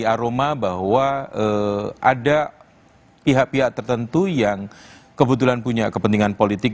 jadi saya tidak mengalami aroma bahwa ada pihak pihak tertentu yang kebetulan punya kepentingan politik